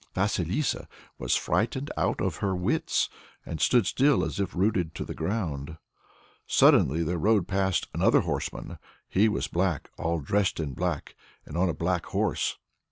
Vasilissa was frightened out of her wits, and stood still as if rooted to the ground. Suddenly there rode past another horseman. He was black, dressed all in black, and on a black horse.